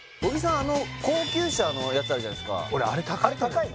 あの高級車のやつあるじゃないですかあれ高いの？